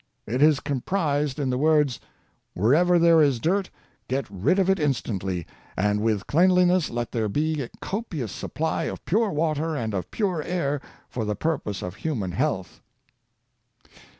It is comprised in the words, '^ wherever there is dirt, get rid of it instantly, and with cleanliness let there be a copious supply of pure water and of pure air for the pur pose of human health."